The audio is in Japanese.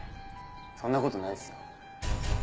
そんな事ないっすよ。